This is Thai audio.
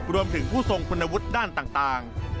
รวมถึงผู้ทรงพลวงคุณวุฒิด้านต่าง